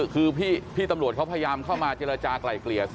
คือพี่ตำรวจเขาพยายามเข้ามาเจรจากลายเกลี่ย